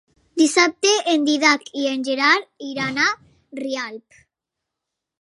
Dissabte en Dídac i en Gerard iran a Rialp.